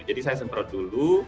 jadi saya semprot dulu